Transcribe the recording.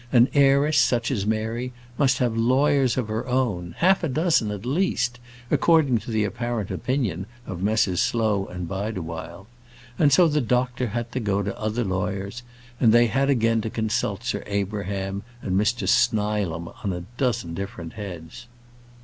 An heiress, such as Mary, must have lawyers of her own; half a dozen at least, according to the apparent opinion of Messrs Slow & Bideawhile. And so the doctor had to go to other lawyers, and they had again to consult Sir Abraham, and Mr Snilam on a dozen different heads.